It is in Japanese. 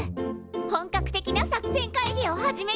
本格的な作戦会議を始めよう！